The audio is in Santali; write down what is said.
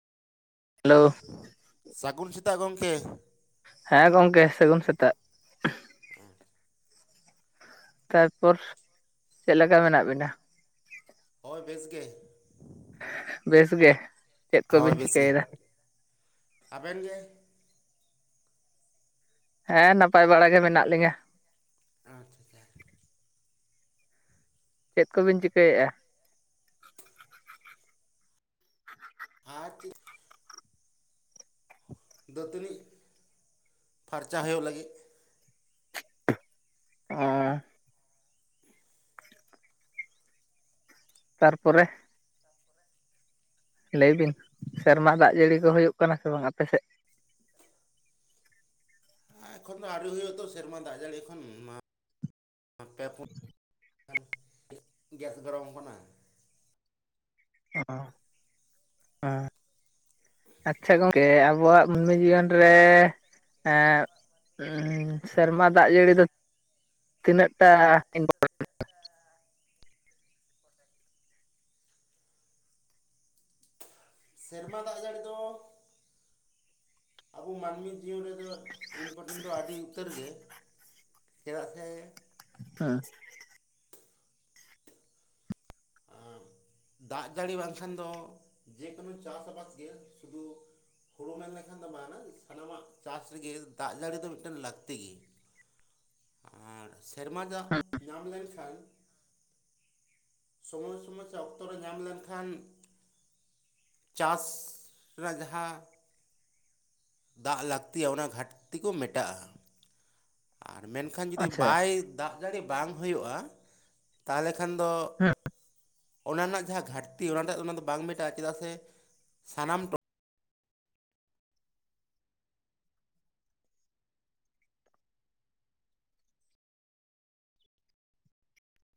ᱦᱮᱞᱳ ᱥᱟᱹᱜᱩᱱ ᱥᱮᱛᱟᱜ ᱜᱚᱝᱠᱮ ᱦᱮᱸ ᱜᱚᱝᱠᱮ ᱥᱟᱹᱜᱩᱱ ᱥᱮᱛᱟᱜ [unintelligible] ᱛᱟᱨ ᱯᱚᱨ ᱪᱮᱫ ᱞᱮᱠᱟ ᱢᱮᱱᱟᱜ ᱵᱤᱱᱟ? ᱦᱳᱭ ᱵᱮᱥ ᱜᱮ ᱵᱮᱥ ᱜᱮ ᱪᱮᱫ ᱦᱚ ᱠᱚᱵᱤᱱ ᱵᱮᱥ ᱜᱮ ᱪᱤᱠᱟᱹᱭᱮᱫᱟ ᱟᱵᱮᱱ ᱜᱮ ᱦᱮᱸ ᱱᱟᱯᱟᱭ ᱵᱟᱲᱟ ᱜᱮ ᱢᱮᱱᱟᱜ ᱞᱤᱧᱟᱹ ᱟᱪᱪᱷᱟ ᱪᱟ ᱪᱮᱫ ᱠᱚᱵᱤᱱ ᱪᱤᱠᱟᱹᱭᱮᱜᱼᱟ? ᱟᱨ ᱪᱮ ᱫᱟᱹᱛᱟᱹᱱᱤᱜ ᱯᱷᱟᱨᱪᱟ ᱦᱳᱭᱳᱜ ᱞᱟᱹᱜᱤᱫ ᱟ ᱛᱟᱨ ᱯᱚᱨᱮ ᱞᱟᱹᱭ ᱵᱤᱱ ᱥᱮᱨᱢᱟ ᱫᱟᱜ ᱡᱟᱹᱲᱤ ᱠᱚ ᱦᱳᱭᱳᱜ ᱠᱟᱱᱟ ᱥᱮ ᱵᱟᱝ ᱟᱯᱮ ᱥᱮᱫ ᱮᱠᱷᱚᱱ ᱫᱚ ᱟᱹᱣᱨᱤ ᱦᱩᱭᱩᱜᱼᱟ ᱛᱚ ᱥᱮᱨᱢᱟ ᱫᱟᱜ ᱡᱟᱹᱲᱤ ᱮᱠᱷᱚᱱᱼᱼ ᱯᱮ ᱯᱩᱱ [inaudible] ᱜᱮᱥ ᱜᱚᱨᱚᱢ ᱠᱟᱱᱟ ᱚ ᱦᱩᱸ [unintelligible] ᱟᱪᱪᱷᱟ ᱜᱚᱝᱠᱮ ᱟᱵᱚᱣᱟᱜ ᱢᱟᱹᱱᱢᱤ ᱡᱤᱭᱚᱱ ᱨᱮ ᱮᱸᱻ ᱦᱮᱸ ᱥᱮᱨᱢᱟ ᱫᱟᱜ ᱡᱟᱹᱲᱤ ᱫᱚ ᱛᱤᱱᱟᱹᱜ ᱴᱟᱜ ᱤᱼᱼ ᱥᱮᱨᱢᱟ ᱫᱟᱜ ᱡᱟᱹᱲᱤ ᱫᱚ ᱟᱵᱚ ᱢᱟᱹᱱᱢᱤ ᱡᱤᱭᱚᱱ ᱨᱮᱫᱚ ᱤᱱᱯᱚᱴᱮᱱ ᱫᱚ ᱟᱹᱰᱤ ᱩᱛᱟᱹᱨ ᱜᱮ ᱪᱮᱫᱟᱜ ᱥᱮ [unintelligible] ᱟ ᱻ ᱫᱟᱜ ᱡᱟᱹᱲᱤ ᱵᱟᱝ ᱠᱷᱟᱱ ᱫᱚ ᱡᱮᱠᱳᱱᱳ ᱪᱟᱥ ᱟᱵᱟᱫᱽ ᱜᱮ ᱥᱩᱫᱩᱼᱼ ᱦᱳᱲᱳ ᱢᱮᱱ ᱞᱮᱠᱷᱟᱱ ᱫᱚ ᱵᱟᱝᱟ ᱥᱟᱱᱟᱢᱟᱜ ᱪᱟᱥ ᱨᱮᱜᱮ ᱫᱟᱜ ᱡᱟᱹᱲᱤ ᱫᱚ ᱢᱮᱫᱴᱮᱱ ᱞᱟᱹᱠᱛᱤ ᱜᱮ [inaudible] ᱟᱨ ᱥᱮᱨᱢᱟ ᱫᱟᱜ ᱧᱟᱢ ᱞᱮᱱ ᱠᱷᱟᱱ ᱥᱚᱢᱚᱭ ᱥᱚᱢᱚᱭ ᱥᱮ ᱚᱠᱛᱚ ᱨᱮ ᱧᱟᱢ ᱞᱮᱱ ᱠᱷᱟᱱ ᱪᱟᱥ ᱨᱮᱱᱟᱜ ᱡᱟᱦᱟᱸ ᱫᱟᱜ ᱞᱟᱹᱠᱛᱤᱭᱟ ᱚᱱᱟ ᱜᱷᱟᱴᱛᱤ ᱠᱚ ᱢᱮᱴᱟᱜᱼᱟ ᱟᱨ ᱢᱮᱱ ᱠᱷᱟᱱ ᱡᱩᱫᱤ ᱟᱪᱪᱷᱟ ᱵᱟᱭ ᱫᱟᱜ ᱡᱟᱹᱲᱤ ᱵᱟᱝ ᱦᱩᱭᱩᱜᱼᱟ ᱛᱟᱦᱚᱞᱮ ᱠᱷᱟᱱ ᱫᱚ ᱚᱱᱟ ᱨᱮᱱᱟᱜ ᱡᱟᱦᱟᱸ ᱜᱷᱟᱴᱛᱤ ᱚᱱᱟ ᱨᱮᱭᱟᱜ ᱫᱚ ᱚᱱᱟ ᱫᱚ ᱵᱟᱝ ᱢᱮᱴᱟᱜᱼᱟ ᱪᱮᱫᱟᱜ ᱥᱮ ᱥᱟᱱᱟᱢ ᱴᱚ